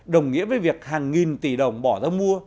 đồng nghĩa với việc hàng nghìn tỷ đồng bỏ ra mua